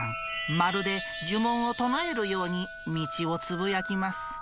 まるで呪文を唱えるように道をつぶやきます。